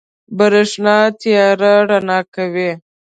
برېښنا تيارې رڼا کوي.